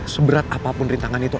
seberat apapun rintangan itu